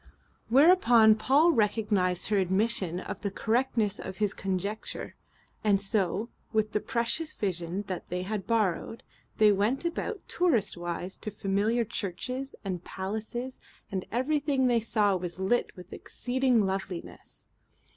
Whereupon Paul recognized her admission of the correctness of his conjecture; and so, with the precious vision they had borrowed, they went about tourist wise to familiar churches and palaces, and everything they saw was lit with exceeding loveliness.